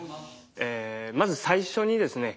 まず最初にですね